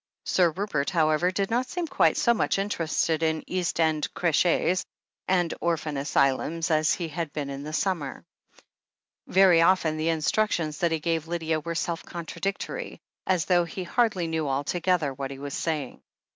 Sir Rupert, however, did not seem quite so much in terested in East End creches and orphan asylums as he had been in the summer. Very often the instructions that he gave Lydia were self contradictory, as though he hardly knew altogether what he was saying.